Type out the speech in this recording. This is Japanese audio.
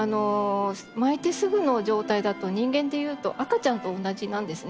まいてすぐの状態だと人間でいうと赤ちゃんと同じなんですね。